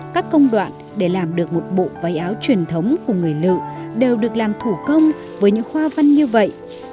các công đoạn để làm được một bộ váy áo truyền thống của người lự đều được làm thủ công với những hoa văn như vậy